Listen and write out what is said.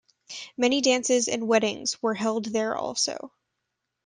Many dances and weddings were held there also.